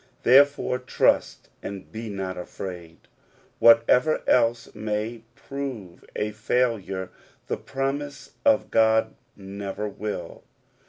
There fore trust, and be not afraid. Whatever else may prove a failure, the promise of God never will.